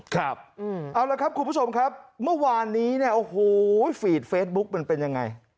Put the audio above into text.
ครับเอาละครับคุณผู้ชมครับเมื่อวานนี้เนี่ยโอ้โหฟีดเฟซบุ๊กมันเป็นยังไง